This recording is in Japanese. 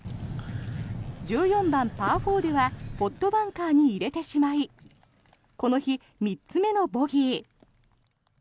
１４番、パー４ではポットバンカーに入れてしまいこの日３つ目のボギー。